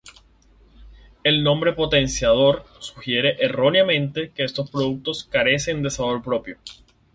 El nombre "potenciador" sugiere erróneamente que estos productos carecen de sabor propio.